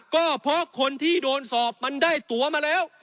ก็เพราะคนที่โดนสอบมันได้ตัวมาแล้ว